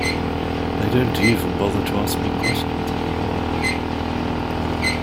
They don't even bother to ask me questions any more.